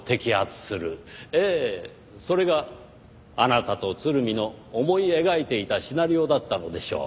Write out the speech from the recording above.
ええそれがあなたと鶴見の思い描いていたシナリオだったのでしょう。